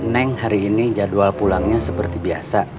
neng hari ini jadwal pulangnya seperti biasa